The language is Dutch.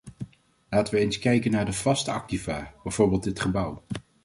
Laten we eens kijken naar de vaste activa, bijvoorbeeld dit gebouw.